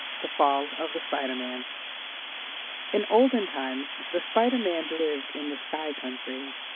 THE FALL OF THE SPIDER MAN In olden times the Spider Man lived in the sky country.